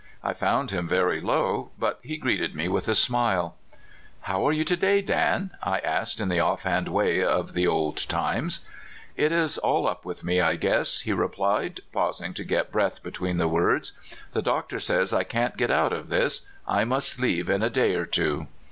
I found him very low, but he greeted me with a smile. *' How are you to day, Dan?" I asked, in the offhand way of the old times. '' It is aUup with me, I guess," he replied, paus ing to get breath between the words; " the doctor says I can't get out of this — I must leave in a day or two."